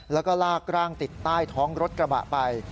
แล้วก็ลากร่างติดใต้ท้องรถกระบะไป